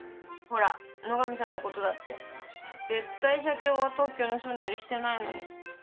ほら野上さんのことだって絶対社長は特許盗んだりしてないのに。